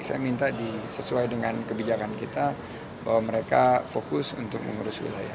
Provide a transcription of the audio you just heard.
saya minta sesuai dengan kebijakan kita bahwa mereka fokus untuk mengurus wilayah